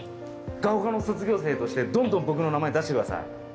がおかの卒業生としてどんどん僕の名前出してください。